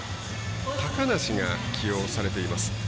高梨が起用されています。